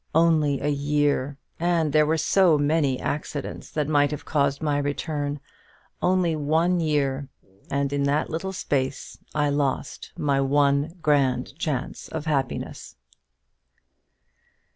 Only a year! and there were so many accidents that might have caused my return. Only one year! and in that little space I lost my one grand chance of happiness."